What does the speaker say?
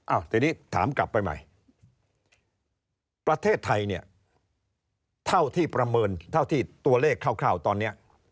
ทีนี้ถามกลับไปใหม่ประเทศไทยเนี่ยเท่าที่ประเมินเท่าที่ตัวเลขคร่าวตอนนี้